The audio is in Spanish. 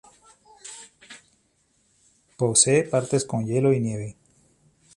Posee partes con hielo y nieve.